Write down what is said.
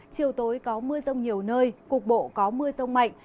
chiều tối có mưa rông nhiều nơi cục bộ có mưa rông mạnh